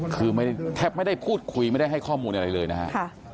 คือแทบไม่ได้พูดคุยไม่ได้ให้ข้อมูลอะไรเลยนะครับ